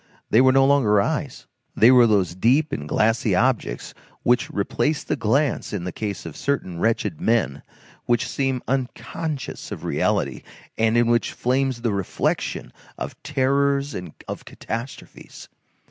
They were no longer eyes; they were those deep and glassy objects which replace the glance in the case of certain wretched men, which seem unconscious of reality, and in which flames the reflection of terrors and of catastrophes.